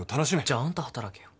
じゃああんた働けよ。